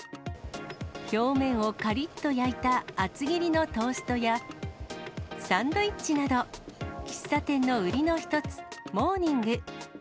表面をかりっと焼いた厚切りのトーストや、サンドイッチなど、喫茶店の売りの一つ、モーニング。